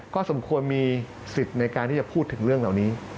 ก็สมควรมีสิทธิ์ในการที่จะพูดถึงเรื่องเหล่านี้